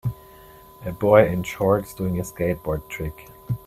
A boy in shorts doing a skateboard trick